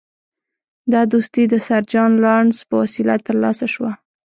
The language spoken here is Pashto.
دا دوستي د سر جان لارنس په وسیله ترلاسه شوه.